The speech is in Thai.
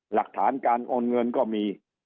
หลักฐานการโอนเงินก็มี